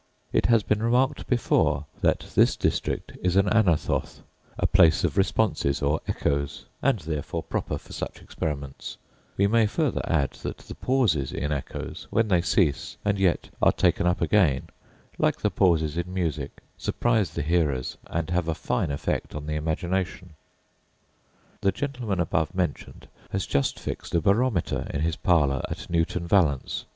It has been remarked before that this district is an Anathoth, a place of responses or echoes, and therefore proper for such experiments: we may further add that the pauses in echoes, when they cease and yet are taken up again, like the pauses in music, surprise the hearers, and have a fine effect on the imagination. The gentleman above mentioned has just fixed a barometer in his parlour at Newton Valence.